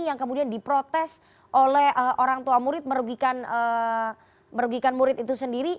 yang kemudian diprotes oleh orang tua murid merugikan murid itu sendiri